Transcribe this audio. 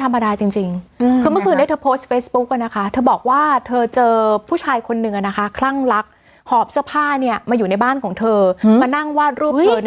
ถ้าเป็นเรื่องที่เกิดขึ้นกับคุณเอ